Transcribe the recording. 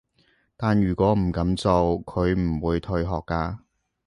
但如果唔噉做，佢唔會退學㗎